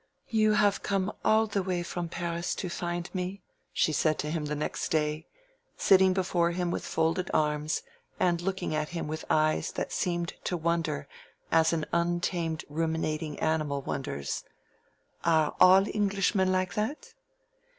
"You have come all the way from Paris to find me?" she said to him the next day, sitting before him with folded arms, and looking at him with eyes that seemed to wonder as an untamed ruminating animal wonders. "Are all Englishmen like that?"